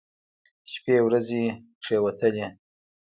شپې ورځې کښېوتلې.